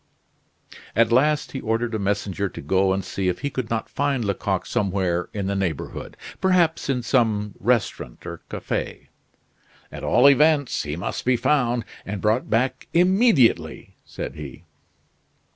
At last he ordered a messenger to go and see if he could not find Lecoq somewhere in the neighborhood; perhaps in some restaurant or cafe. "At all events, he must be found and brought back immediately," said he.